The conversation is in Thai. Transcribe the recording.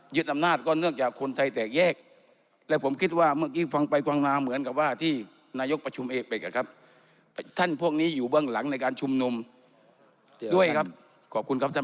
อำนาจก็เนื่องจากคนไทยแตกแยกและผมคิดว่าเมื่อกี้ฟังไปฟังมาเหมือนกับว่าที่นายกประชุมเอเป็กนะครับท่านพวกนี้อยู่เบื้องหลังในการชุมนุมด้วยครับขอบคุณครับท่าน